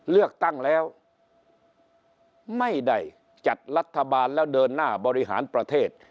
เลือกตั้งแล้วไม่ได้จัดรัฐบาลแล้วเดินหน้าบริหารประเทศ